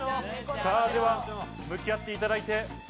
まずは向き合っていただいて。